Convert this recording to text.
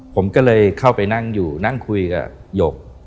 ผมก็เลยเข้าไปนั่งอยู่นั่งคุยกับหยก